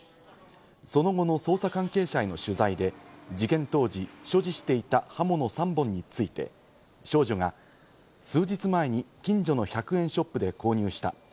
その後の捜査関係者への取材で、事件当時、所持していた刃物３本について少女が数日前に近所の１００円ショップで購入した。